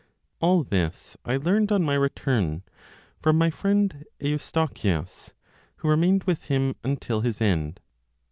All this I learned on my return, from my friend Eustochius, who remained with him until his end.